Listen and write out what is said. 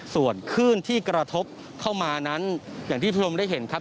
ส่วนคลื่นที่กระทบเข้ามานั้นอย่างที่ผู้ชมได้เห็นครับ